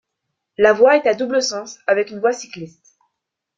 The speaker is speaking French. La voie est à double sens avec une voie cycliste.